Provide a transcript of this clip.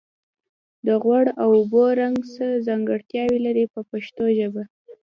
د غوړ او اوبو رنګ څه ځانګړتیاوې لري په پښتو ژبه.